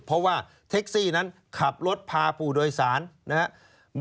เพราะว่าแท็กซี่นั้นขับรถพาผู้โดยสารนะครับ